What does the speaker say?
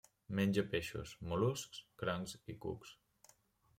Menja peixos, mol·luscs, crancs i cucs.